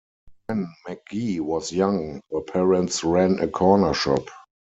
When McGee was young her parents ran a corner shop.